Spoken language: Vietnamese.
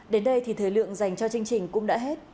đến đây thì thời lượng dành cho chương trình cũng đã hết